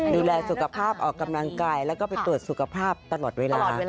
ดูแลสุขภาพออกกำลังกายแล้วก็ไปตรวจสุขภาพตลอดเวลา